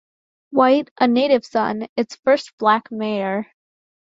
White, a native son, its first black mayor.